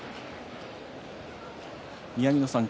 宮城野さん